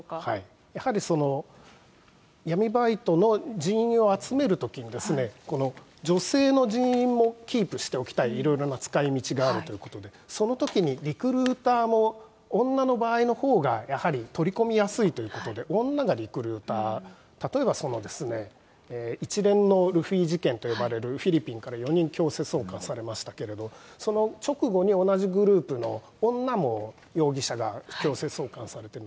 やはりその、闇バイトの人員を集めるときに、女性の人員もキープしておきたい、いろいろな使いみちがあるということで、そのときにリクルーターも女の場合のほうがやはり取り込みやすいということで、女がリクルーター、例えばその、一連のルフィ事件と呼ばれるフィリピンから４人強制送還されましたけれども、その直後に同じグループの女も容疑者が強制送還されてる。